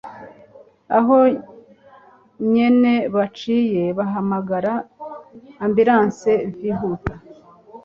Aho nyene baciye bahamagara ambulance vyihuta